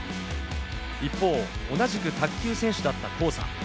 一方、同じく卓球選手だったコウさん。